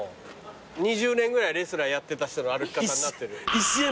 ２０年ぐらいレスラーやってた人の歩き方になってるよ。